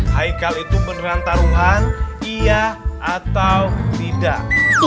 haikal itu beneran taruhan iya atau tidak